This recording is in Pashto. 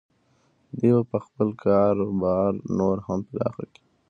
دوی به خپل کاروبار نور هم پراخ کړي.